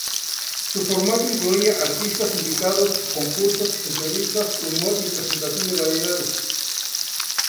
Su formato incluía artistas invitados, concursos, entrevistas, humor y presentación de variedades.